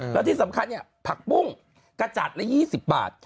แล้วที่สำคัญเนี่ยผักปุ้งกระจาดละ๒๐บาท